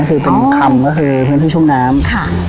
คือเป็นคำที่ชุ่มน้ำ